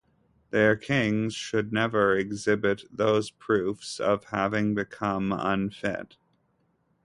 Their kings should never exhibit those proofs of having become unfit.